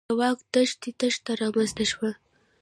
د واک رښتینې تشه رامنځته شوه.